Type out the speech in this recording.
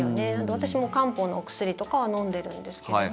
私も漢方のお薬とかは飲んでるんですけれど